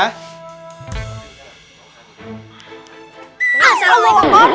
ah salah salah